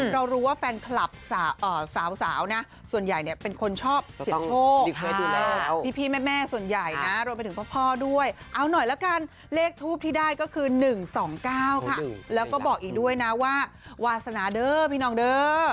เรารู้ว่าแฟนคลับสาวนะส่วนใหญ่เนี่ยเป็นคนชอบเสียงโชคพี่แม่ส่วนใหญ่นะรวมไปถึงพ่อด้วยเอาหน่อยละกันเลขทูปที่ได้ก็คือ๑๒๙ค่ะแล้วก็บอกอีกด้วยนะว่าวาสนาเด้อพี่น้องเด้อ